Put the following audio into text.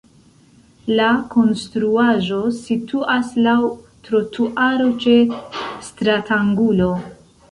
La konstruaĵo situas laŭ trotuaro ĉe stratangulo.